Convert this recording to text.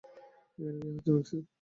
এখানে কি হচ্ছে, ম্যাক্সি?